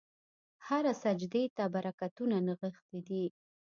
هره سجدې ته برکتونه نغښتي دي.